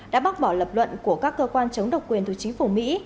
đã bác bỏ lập luận của các cơ quan chống độc quyền từ chính phủ mỹ